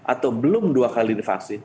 atau belum dua kali divaksin